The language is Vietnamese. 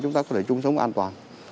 chúng ta có thể chung sống an toàn